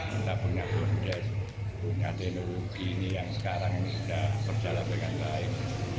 entah punya kondes punya teknologi ini yang sekarang sudah berjalan dengan baik